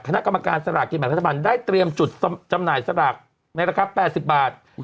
คณะกรรมการสลากกินแบ่งรัฐบาลได้เตรียมจุดจำหน่ายสลากในราคา๘๐บาท